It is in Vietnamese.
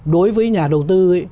đối với nhà đầu tư